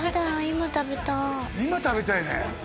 今食べたいね